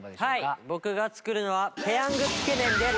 はい僕が作るのはペヤングつけ麺です。